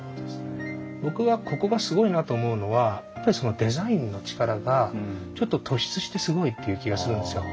僕はここがすごいなと思うのはデザインの力がちょっと突出してすごいっていう気がするんですよ。